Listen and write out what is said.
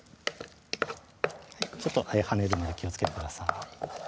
ちょっと跳ねるので気をつけてください